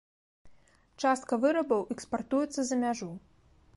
Частка вырабаў экспартуецца за мяжу.